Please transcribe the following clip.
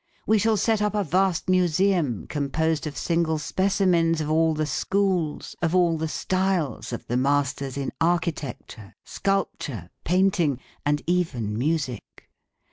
We shall set up a vast museum composed of single specimens of all the schools, of all the styles of the masters in architecture, sculpture, painting, and even music.